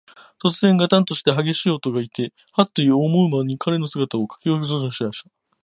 とつぜん、ガタンというはげしい音がして、ハッと思うまに、彼の姿は、かき消すように見えなくなってしまいました。